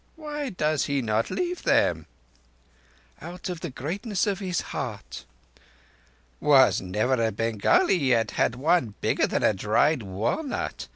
Why does he not leave them?" "Out of the greatness of his heart." "Was never a Bengali yet had one bigger than a dried walnut.